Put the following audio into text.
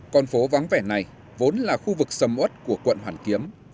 con phố vắng vẻ này vốn là khu vực sầm ớt của quận hoàn kiếm